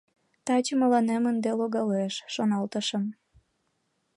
«Таче мыланем ынде логалеш», — шоналтышым.